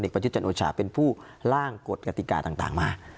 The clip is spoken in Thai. ประยุทธ์จันทร์โอชาเป็นผู้ล่างกฎกติกาต่างมา